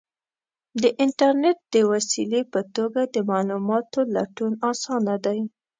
د انټرنیټ د وسیلې په توګه د معلوماتو لټون آسانه دی.